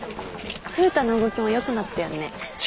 風太の動きもよくなったよね。